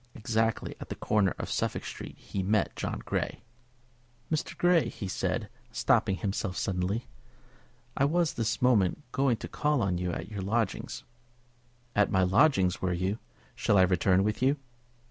Exactly at the corner of Suffolk Street he met John Grey. "Mr. Grey," he said, stopping himself suddenly, "I was this moment going to call on you at your lodgings." "At my lodgings, were you? Shall I return with you?"